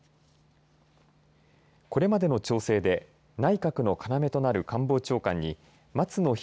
これまでの調整で内閣の要となる官房長官に松野博